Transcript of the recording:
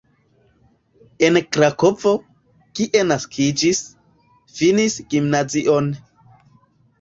En Krakovo, kie naskiĝis, finis gimnazion.